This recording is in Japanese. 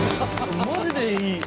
マジでいい！